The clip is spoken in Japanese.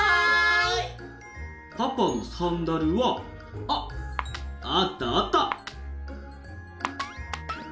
パパのサンダルはあっあったあった！